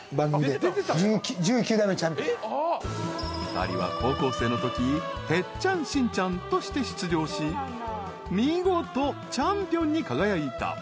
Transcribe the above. ［２人は高校生のときてっちゃんしんちゃんとして出場し見事チャンピオンに輝いた］